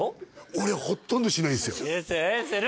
俺ほとんどしないんですよするする！